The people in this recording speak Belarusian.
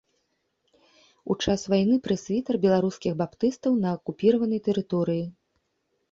У час вайны прэсвітэр беларускіх баптыстаў на акупіраванай тэрыторыі.